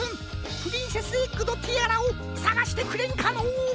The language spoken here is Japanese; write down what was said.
プリンセスエッグのティアラをさがしてくれんかのう。